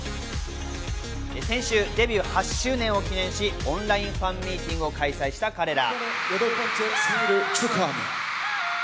先週デビュー８周年を記念し、オンラインファンミーティングを開催した彼ら。